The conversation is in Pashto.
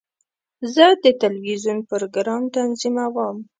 زه د ټلویزیون پروګرام تنظیموم.